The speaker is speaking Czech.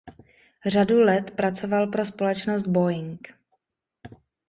Řadu let pracoval pro společnost Boeing.